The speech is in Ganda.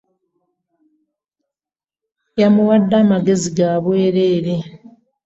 Yamuwadde amagezi ga bwereere.